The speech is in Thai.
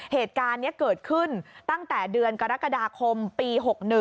เหตุการณ์นี้เกิดขึ้นตั้งแต่เดือนกรกฎาคมปี๖๑